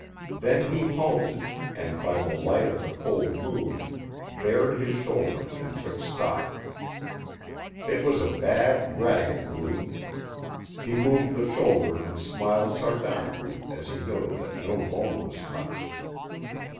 Then he halted and, by the light of the cold moon, bared his shoulder and took stock. It was a bad, ragged wound. He moved the shoulder and smiled sardonically as he noted that no bone was touched.